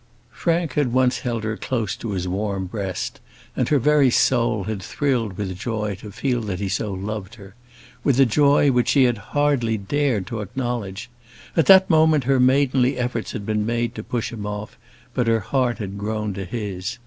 Frank had once held her close to his warm breast; and her very soul had thrilled with joy to feel that he so loved her, with a joy which she had hardly dared to acknowledge. At that moment, her maidenly efforts had been made to push him off, but her heart had grown to his.